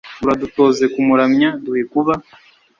uradutoze kumuramya, duhe kuba